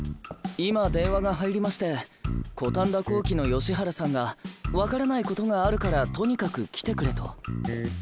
今電話が入りましてコタンダ工器の吉原さんが分からないことがあるからとにかく来てくれと。